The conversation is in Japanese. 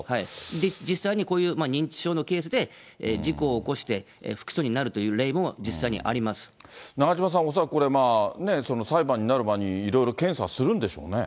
実際にこういう認知症のケースで事故を起こして、不起訴になると中島さん、恐らくこれ、裁判になる前にいろいろ検査するんでしょうね。